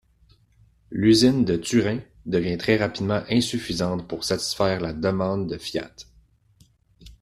L'usine de Turin devient très rapidement insuffisante pour satisfaire la demande de Fiat.